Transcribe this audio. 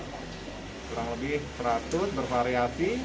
kurang lebih seratus bervariasi